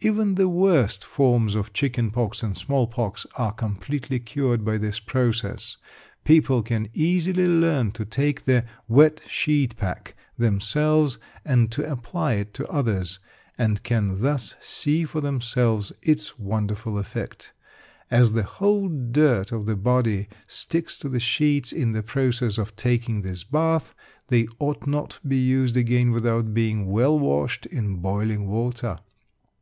Even the worst forms of chicken pox and small pox are completely cured by this process. People can easily learn to take the "Wet Sheet Pack" themselves, and to apply it to others, and can thus see for themselves its wonderful effect. As the whole dirt of the body sticks to the sheets in the process of taking this bath, they ought not to be used again without being well washed in boiling water.